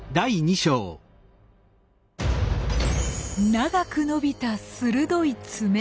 長く伸びた鋭いツメ。